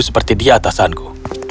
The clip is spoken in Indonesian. seperti di atasanku